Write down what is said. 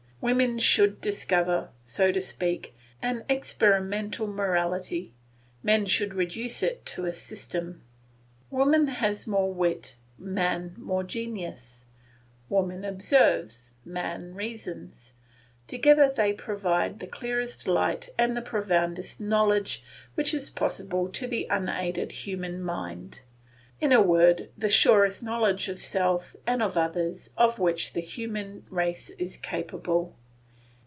Woman should discover, so to speak, an experimental morality, man should reduce it to a system. Woman has more wit, man more genius; woman observes, man reasons; together they provide the clearest light and the profoundest knowledge which is possible to the unaided human mind; in a word, the surest knowledge of self and of others of which the human race is capable.